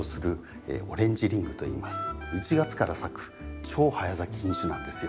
１月から咲く超早咲き品種なんですよ。